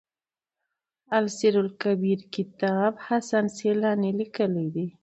السير لکبير کتاب حسن سيلاني ليکی دی.